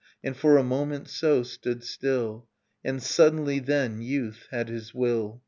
And for a moment, so, stood still; And suddenly, then, youth had his will.